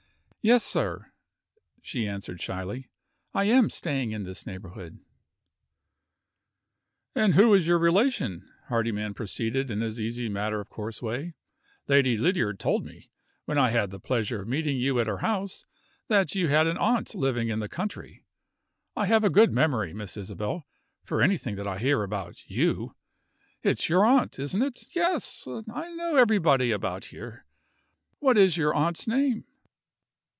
"Yes, sir," she answered, shyly, "I am staying in this neighborhood." "And who is your relation?" Hardyman proceeded, in his easy, matter of course way. "Lady Lydiard told me, when I had the pleasure of meeting you at her house, that you had an aunt living in the country. I have a good memory, Miss Isabel, for anything that I hear about You! It's your aunt, isn't it? Yes? I know everybody about hew. What is your aunt's name?"